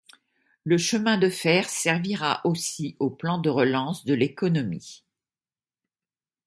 Le chemin de fer au servira aussi au plan de relance de l’économie.